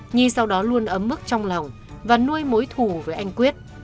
nhi sau đó luôn ấm mức trong lòng và nuôi mối thù với anh quyết